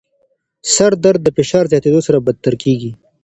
سردرد د فشار زیاتېدو سره بدتر کېږي.